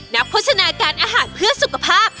โฆษณาการอาหารเพื่อสุขภาพ